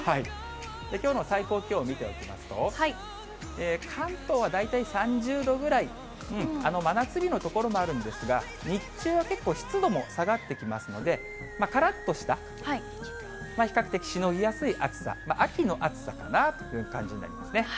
きょうの最高気温を見ておきますと、関東は大体３０度ぐらい、真夏日の所もあるんですが、日中は結構、湿度も下がってきますので、からっとした比較的しのぎやすい暑さ、秋の暑さかなという感じになりますね。